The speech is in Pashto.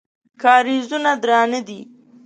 کارېزونه درانه دي.